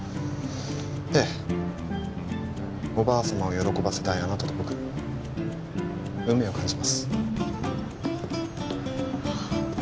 ええおばあ様を喜ばせたいあなたと僕運命を感じますはっ！？